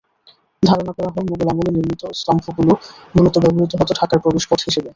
ধারণা করা হয়, মোগল আমলে নির্মিত স্তম্ভগুলো মূলত ব্যবহূত হতো ঢাকার প্রবেশপথ হিসেবে।